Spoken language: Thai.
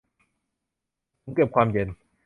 ถุงเก็บความเย็น